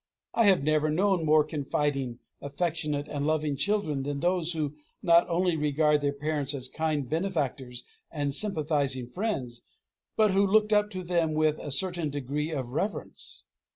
I have never known more confiding, affectionate, and loving children, than those who not only regarded their parents as kind benefactors and sympathizing friends, but who looked up to them with a certain degree of reverence.